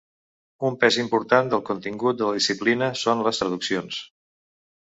Un pes important del contingut de la disciplina són les traduccions.